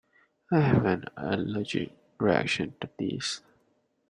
I have an allergic reaction to this.